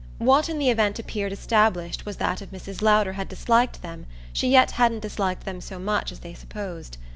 What in the event appeared established was that if Mrs. Lowder had disliked them she yet hadn't disliked them so much as they supposed.